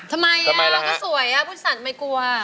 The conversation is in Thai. ทำไมอ่ะก็สวยอ่ะผู้โดยสารไม่กลัวอ่ะ